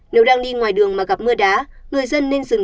nếu đang đi ngoài đường mà gặp mưa đá